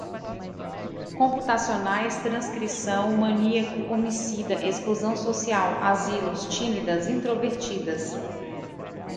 computacionais, transcrição, maníaco, homicida, exclusão social, asilos, tímidas, introvertidas